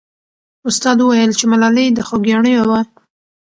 استاد وویل چې ملالۍ د خوګیاڼیو وه.